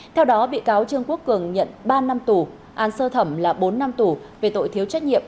theo đó bị cáo trương quốc cường nhận ba năm tù án sơ thẩm là bốn năm tù về tội thiếu trách nhiệm